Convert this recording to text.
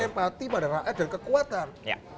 empati pada rakyat dan kekuatan